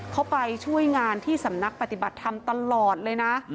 เขาไปช่วยงานที่สำนักปฏิบัติธรรมตลอดเลยนะ